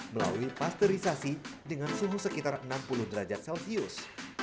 melalui pasterisasi dengan suhu sekitar enam puluh derajat celcius